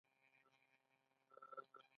د هفت سین دسترخان مشهور دی.